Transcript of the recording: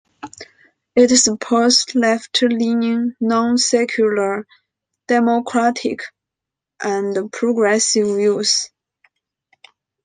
It supports left-leaning non-secular democratic and progressive views.